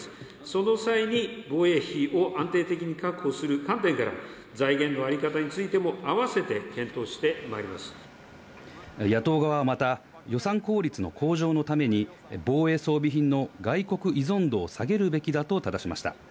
その際に、防衛費を安定的に確保する観点から、財源の在り方についてもあわ野党側はまた予算効率の向上のために、防衛装備品の外国依存度を下げるべきだとただしました。